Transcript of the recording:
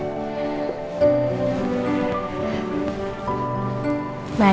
ini di tulis lalu